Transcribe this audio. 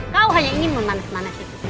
kau hanya ingin memanas manas itu